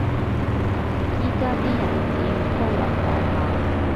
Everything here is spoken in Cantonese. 依家啲人只要高樓大廈